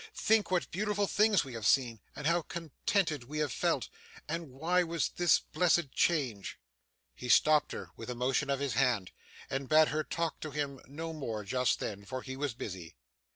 Think what beautiful things we have seen, and how contented we have felt. And why was this blessed change?' He stopped her with a motion of his hand, and bade her talk to him no more just then, for he was busy.